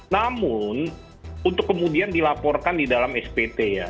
namun untuk kemudian dilaporkan di dalam spt ya